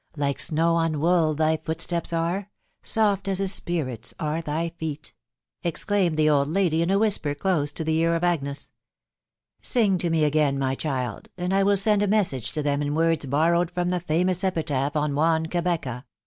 Like snow on wool thy footsteps are, Soft u a ipiiiVt are tny fee*,"— l *Htf WIDOW BARNABY. 391 exclaimed tne old lady in a whisper close to the ear of Agnes. •...€ Sing to me again, my child, and I will send a message to them in words borrowed from the famous epitaph on Juan Cabeca